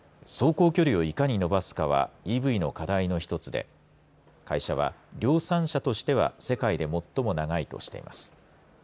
走行距離を、いかに伸ばすかはＥＶの課題の１つで会社は量産車として世界で最も長いとしてます。